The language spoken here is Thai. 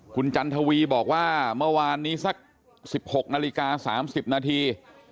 คุณจันทวีบอกว่าเมื่อวานนี้สัก๑๖นาฬิกา๓๐นาที